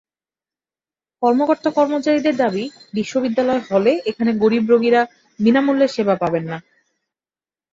কর্মকর্তা-কর্মচারীদের দাবি বিশ্ববিদ্যালয় হলে এখানে গরিব রোগীরা বিনা মূল্যে সেবা পাবেন না।